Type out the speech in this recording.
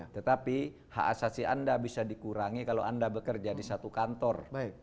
tetapi hak asasi anda bisa dikurangi kalau anda bekerja di satu kantor